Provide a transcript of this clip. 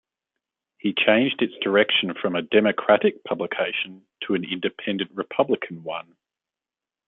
He changed its direction from a "democratic" publication to an "independent republican" one.